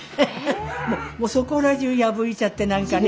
もうそこらじゅう破いちゃって何かね。